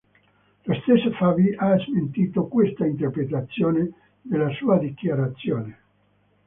Lo stesso Fabi ha smentito questa interpretazione della sua dichiarazione.